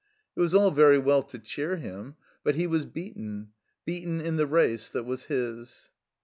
It was all very well to cheer him; but he was beaten, beaten in the race that was his.